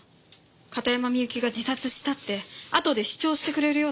片山みゆきが自殺したってあとで主張してくれるような証人。